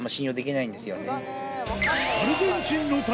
アルゼンチンの旅